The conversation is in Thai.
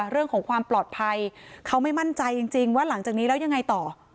เรื่องของความปลอดภัยเขาไม่มั่นใจจริงว่าหลังจากนี้แล้วยังไงต่อ